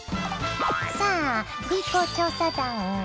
さあ「Ｂ公調査団」！